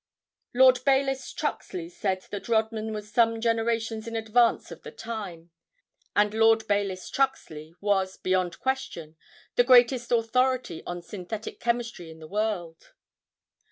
Lord Bayless Truxley said that Rodman was some generations in advance of the time; and Lord Bayless Truxley was, beyond question, the greatest authority on synthetic chemistry in the world.